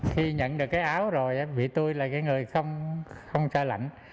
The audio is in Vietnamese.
tôi nhận được cái áo rồi vì tôi là người không cho lạnh